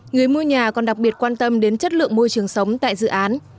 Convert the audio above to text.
người mua nhà còn đặc biệt quan tâm đến chất lượng môi trường sống tại dự án